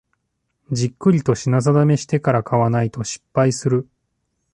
じっくりと品定めしてから買わないと失敗する